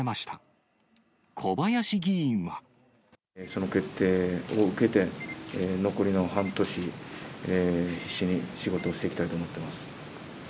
その決定を受けて、残りの半年、必死に仕事をしていきたいと思っています。